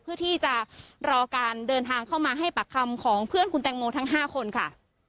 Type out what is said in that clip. เพื่อที่จะรอการเดินทางเข้ามาให้ปากคำของเพื่อนคุณแตงโมทั้ง๕คนค่ะ